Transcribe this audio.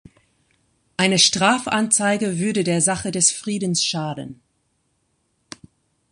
Eine Strafanzeige würde der Sache des Friedens schaden“.